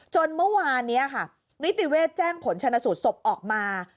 จนเมื่อวานนี้ค่ะนิติเวชแจ้งผลชนะสูตรศพออกมา